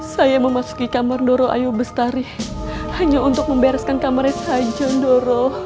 saya memasuki kamar indoro ayu bestari hanya untuk membereskan kamarnya saja indoro